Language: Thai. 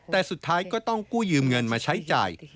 แต่สุดท้ายก็ต้องกู้ยืมเงินมาใช้จ่าย